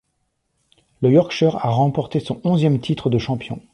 Le Yorkshire a remporté son onzième titre de champion.